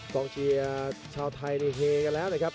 ต้องเชียร์ชาวไทยในเหกะแล้วนะครับ